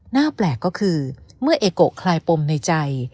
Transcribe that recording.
หน้าแปลกก็คือเมื่อเอโกะคลายปมในใจ